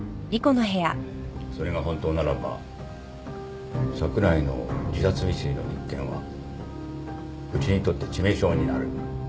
それが本当ならば櫻井の自殺未遂の一件はうちにとって致命傷になる